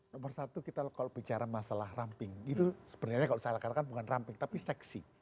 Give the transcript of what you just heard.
nomor satu kita kalau bicara masalah ramping itu sebenarnya kalau saya katakan bukan ramping tapi seksi